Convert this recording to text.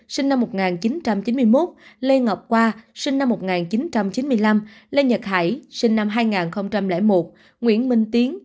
sinh năm một nghìn chín trăm chín mươi một lê ngọc khoa sinh năm một nghìn chín trăm chín mươi năm lê nhật hải sinh năm hai nghìn một nguyễn minh tiến